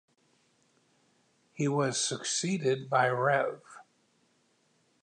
He was succeeded by Rev.